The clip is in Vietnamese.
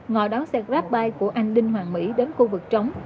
ngọ đón xe grabbike của anh đinh hoàng mỹ đến khu vực trống